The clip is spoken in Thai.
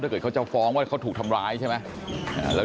เกิดเขาจะฟ้องว่าเขาถูกทำร้ายใช่ไหม